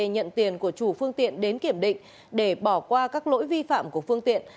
nhận tiền của chủ phương tiện đến kiểm định để bỏ qua các lỗi vi phạm của phương tiện